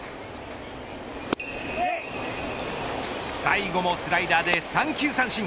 最後もスライダーで３球三振。